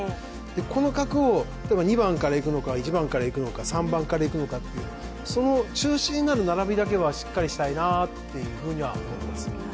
この核を２番からいくのか１番からいくのか３番からいくのか、その中心にある並びだけはしっかりしたいなというふうには思っています。